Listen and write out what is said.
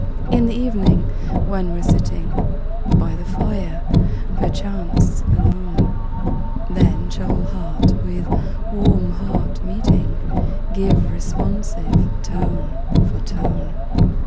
In the evening, when we're sitting By the fire, perchance alone, Then shall heart with warm heart meeting, Give responsive tone for tone.